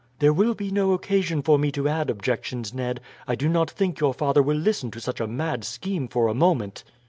"There will be no occasion for me to add objections, Ned. I do not think your father will listen to such a mad scheme for a moment."